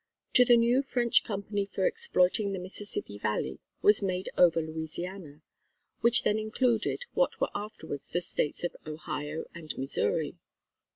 To the new French Company for exploiting the Mississippi Valley was made over Louisiana (which then included what were afterwards the States of Ohio and Missouri).